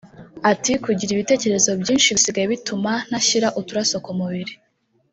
Ati”Kugira ibitekerezo byinshi bisigaye bituma ntashyira uturaso ku mubiri